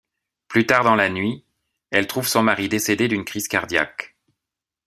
Plus tard dans la nuit, elle trouve son mari décédé d'une crise cardiaque.